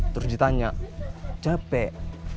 terus ditanya capek